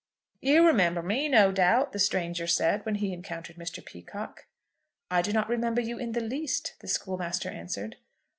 "You remember me, no doubt," the stranger said, when he encountered Mr. Peacocke. "I do not remember you in the least," the schoolmaster answered.